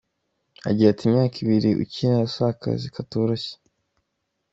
Agira ati “Imyaka ibiri ukina si akazi katoroshye.